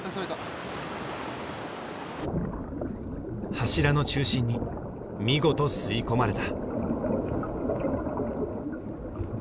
柱の中心に見事吸い込まれた。